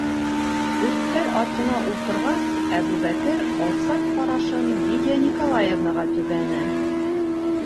Өҫтәл артына ултырғас, Әбүбәкер алсаҡ ҡарашын Лидия Николаевнаға төбәне: